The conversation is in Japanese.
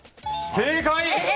正解！